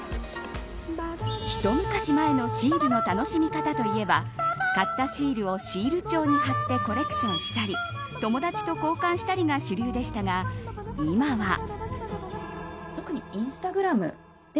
一昔前のシールの楽しみ方といえば買ったシールをシール帳に貼ってコレクションしたり友達と交換したりが主流でしたが今は。